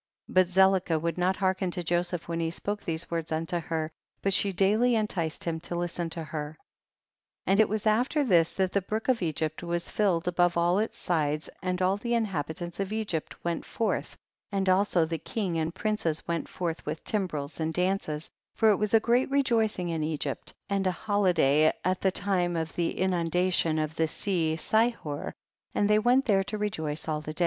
But Zelicah would not hear ken to Joseph when he spoke these words unto her, but she daily enticed him to listen to her. 47. And it was after this that the brook of Egypt was filled above alj its sides, and all the inhabitants of Egypt went forth, and also the king and princes w^ent forth with timbrels and dances, for it was a great rejoic ing in Egypt, and a holiday at the time of the inundation of the sea Sihor, and they went there to rejoice all the 48.